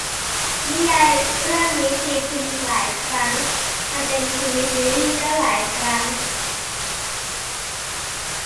นิยายเรื่องนี้ตีพิมพ์หลายครั้ง ทำเป็นทีวีซีรี่ส์ก็หลายครั้ง